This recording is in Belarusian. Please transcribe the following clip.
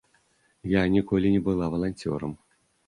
Я ніколі не была валанцёрам.